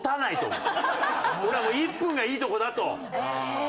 俺はもう１分がいいとこだと。